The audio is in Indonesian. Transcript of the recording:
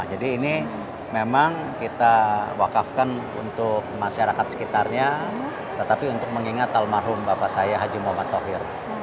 jadi ini memang kita wakafkan untuk masyarakat sekitarnya tetapi untuk mengingat tal marhum bapak saya haji mubarak thohir